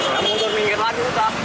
dia mundur pinggir lagi udah